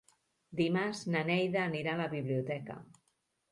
Dimarts na Neida anirà a la biblioteca.